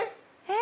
え！